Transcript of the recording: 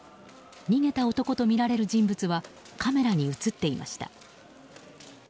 逃げた男とみられる人物はカメラに映っていました。